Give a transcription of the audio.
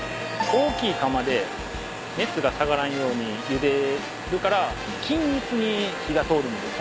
大きい釜で熱が下がらんようにゆでるから均一に火が通るんです。